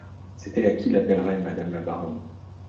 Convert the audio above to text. C’était à qui l’appellerait madame la baronne.